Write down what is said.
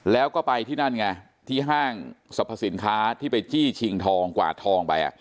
แล้วก็ไปที่นั่นไงที่ห้างสรรพสินค้าที่ไปจี้ชิงทองกวาดทองไป